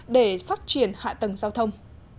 để phát triển hạ tầng giao thông